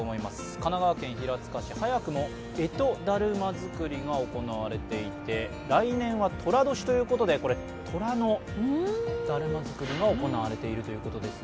神奈川県平塚市、早くも干支だるま作りが行われていて来年はとら年ということでとらのだるま作りが行われているということです。